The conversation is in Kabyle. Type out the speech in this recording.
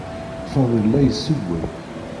Fadil la yessewway.